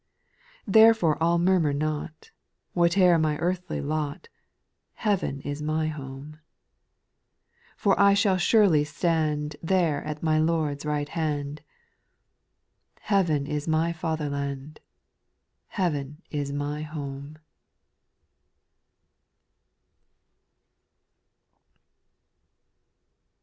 4. Therefore I '11 murmur not, Whate'er my earthly lot. Heaven is my home. SPIRITUAL SONGS. 209 For I shall surely stand There at my Lord's right hand ;— Heaven is my father land, Heaven is my home.